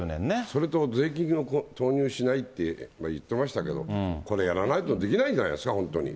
それと税金を投入しないって今、言ってましたけど、これ、やらないとできないんじゃないですか、本当に。